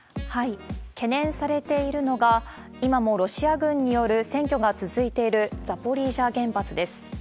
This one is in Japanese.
懸念されているのが、今もロシア軍による占拠が続いているザポリージャ原発です。